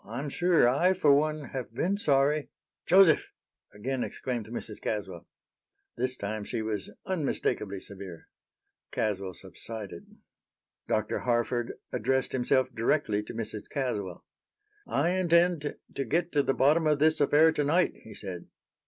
"I'm sure I, for one, have been sorry" "Joseph!" again exclaimed Mrs. Caswell. This time she was unmistakably severe. Caswell subsided. Dr. Harford addressed himself directly to Mrs. Caswell. "I intend to get to the bottom of this affair tonight," he said.